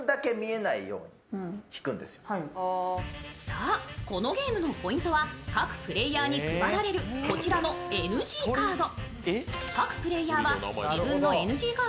そう、このゲームのポイントは各プレーヤーに配られるこちらのＮＧカード。